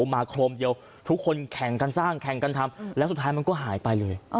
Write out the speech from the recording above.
มาโครมเดียวทุกคนแข่งกันสร้างแข่งกันทำแล้วสุดท้ายมันก็หายไปเลย